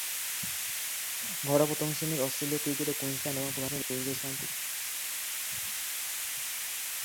ঘরোয়া প্রথম-শ্রেণীর অস্ট্রেলীয় ক্রিকেটে কুইন্সল্যান্ড এবং প্রথম-শ্রেণীর ইংরেজ কাউন্টি ক্রিকেটে ডারহাম ও নর্দাম্পটনশায়ারের প্রতিনিধিত্ব করেছেন।